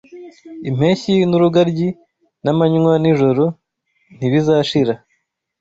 impeshyi n’urugaryi, n’amanywa n’ijoro ntibizashira